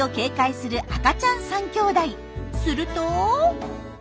すると。